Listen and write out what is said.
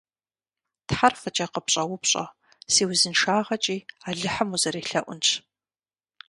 Тхьэр фӀыкӀэ къыпщӀэупщӀэ, – си узыншагъэкӀи Алыхьым узэрелъэӀунщ.